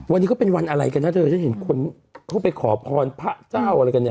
วันนี้ก็เป็นวันอะไรกันนะเธอฉันเห็นคนเข้าไปขอพรพระเจ้าอะไรกันเนี่ย